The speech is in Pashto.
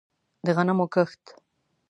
د غنمو کښت